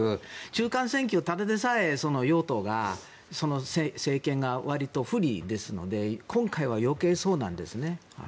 中間選挙、ただでさえ与党、政権がわりと不利ですので今回は余計、そうなんですね。